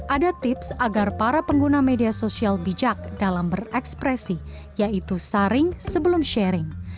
ada tips agar para pengguna media sosial bijak dalam berekspresi yaitu saring sebelum sharing